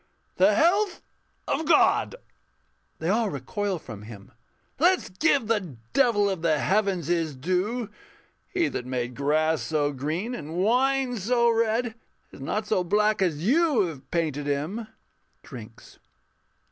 _] The health of God! [They all recoil from him.] Let's give the Devil of the Heavens His due! He that made grass so green, and wine so red, Is not so black as you have painted him. [_Drinks.